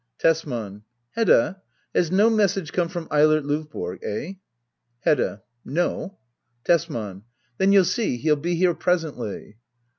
Tesman. Hedda, has no message come from Eilert Lov borg? Eh? Hedda. No. Tesman, Then you'll see he'll be here presently.